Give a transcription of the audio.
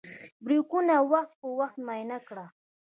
بریکونه وخت په وخت معاینه کړه.